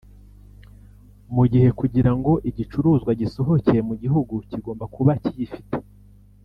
mu gihe kugira ngo igicuruzwa gisohoke mu gihugu kigomba kuba kiyifite